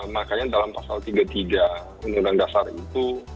makanya dalam pasal tiga puluh tiga undang undang dasar itu